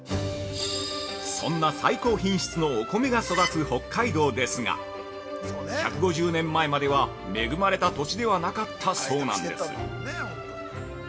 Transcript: ◆そんな最高品質のお米が育つ北海道ですが１５０年前までは恵まれた土地ではなかったそうなんです。